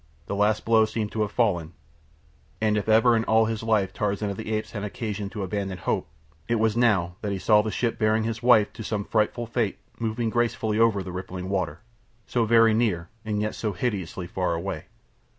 The last blow seemed to have fallen, and if ever in all his life Tarzan of the Apes had had occasion to abandon hope it was now that he saw the ship bearing his wife to some frightful fate moving gracefully over the rippling water, so very near and yet so hideously far away.